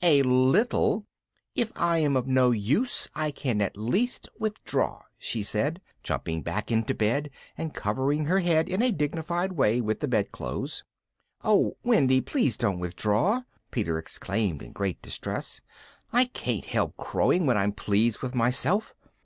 "A little! If I am no use I can at least withdraw," she said, jumping back into bed and covering her head in a dignified way with the bedclothes. "Oh! Wendy, please don't withdraw," Peter exclaimed in great distress. "I can't help crowing when I'm pleased with myself.